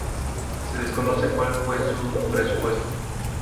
Se desconoce cual fue su presupuesto.